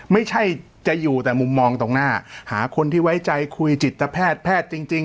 ไม่ใช่จะอยู่แต่มุมมองตรงหน้าหาคนที่ไว้ใจคุยจิตแพทย์แพทย์จริง